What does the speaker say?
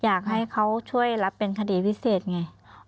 อยากให้เขาช่วยรับเป็นคดีพิเศษไง